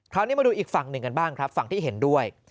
คราวนี้มาดูอีกฝั่งหนึ่งกันบ้างครับฝั่งที่เห็นด้วย